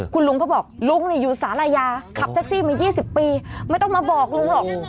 คุณลุงเขาบอกลุงอยู่สาลายาขับแท็กซี่มา๒๐ปีไม่ต้องมาบอกลุงหรอก